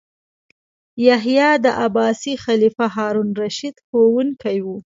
یحیی د عباسي خلیفه هارون الرشید ښوونکی و.